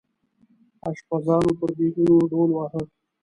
اشپزانو پر دیګونو ډول واهه.